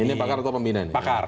ini pakar atau pembina